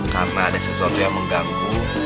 karena ada sesuatu yang mengganggu